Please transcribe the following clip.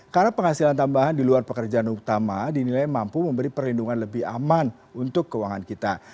karena penghasilan tambahan di luar pekerjaan utama dinilai mampu memberi perlindungan lebih aman untuk keuangan kita